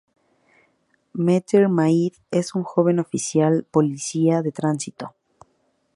Meter Maid es una joven oficial de policía de tránsito.